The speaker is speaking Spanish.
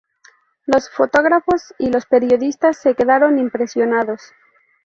Los fotógrafos y los periodistas se quedaron impresionados.